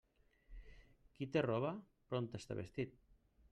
Qui té roba, prompte està vestit.